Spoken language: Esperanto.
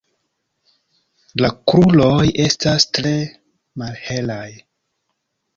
La kruroj estas tre malhelaj.